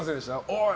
おい！